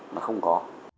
nó không có